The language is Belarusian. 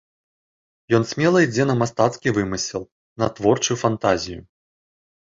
Ён смела ідзе на мастацкі вымысел, на творчую фантазію.